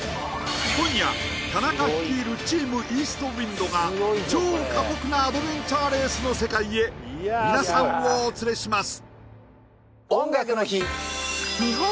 今夜田中率いるチームイーストウインドが超過酷なアドベンチャーレースの世界へ皆さんをお連れします